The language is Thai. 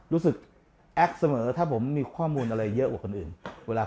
รู้สึกแอคเสมอถ้าผมมีข้อมูลอะไรเยอะกว่าคนอื่น